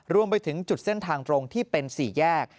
รวมไปถึงจุดเส้นทางตรงที่เป็น๔แยก